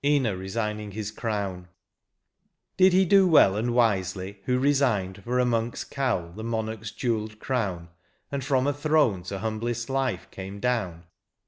59 XXIX. INA RESIGNING HIS CROWN. Did he do well and wisely, who resigned For a monk's cowl the monarch's jewelled crown, And from a throne to humhlest life came down